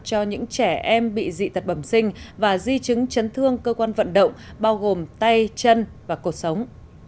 cho những trẻ em bị dị tật bẩm sinh và di chứng chấn thương cơ quan vận động bao gồm tay chân và cuộc sống